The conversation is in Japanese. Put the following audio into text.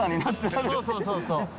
そうそうそうそう。